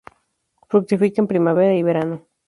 Fructifica en primavera y verano.